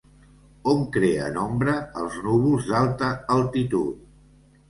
On creen ombra els núvols d'alta altitud?